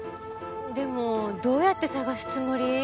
でもどうやって捜すつもり？